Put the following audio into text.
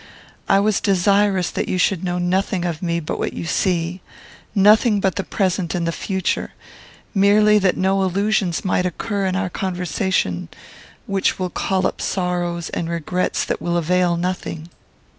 I was desirous that you should know nothing of me but what you see; nothing but the present and the future, merely that no allusions might occur in our conversation which will call up sorrows and regrets that will avail nothing.